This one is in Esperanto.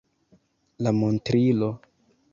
La montrilo.